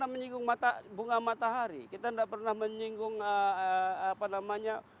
menyinggung bunga matahari kita tidak pernah menyinggung apa namanya